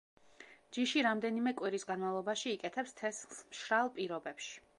ჯიში რამდენიმე კვირის განმავლობაში იკეთებს თესლს მშრალ პირობებში.